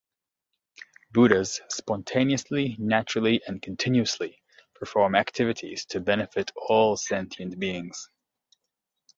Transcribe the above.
Buddhas spontaneously, naturally and continuously perform activities to benefit all sentient beings.